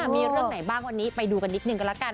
มีเรื่องไหนบ้างวันนี้ไปดูกันนิดนึงกันแล้วกัน